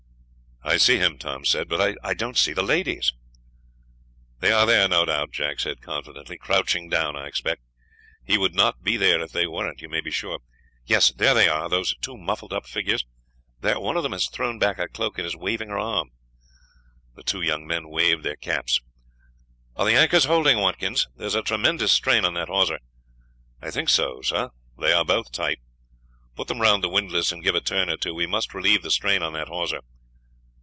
"I see him," Tom said, "but I don't see the ladies." "They are there, no doubt," Jack said confidently; "crouching down, I expect. He would not be there if they weren't, you may be sure. Yes, there they are; those two muffled up figures. There, one of them has thrown back her cloak and is waving her arm." The two young men waved their caps. "Are the anchors holding, Watkins? There's a tremendous strain on that hawser." "I think so, sir; they are both tight." "Put them round the windlass, and give a turn or two, we must relieve the strain on that hawser."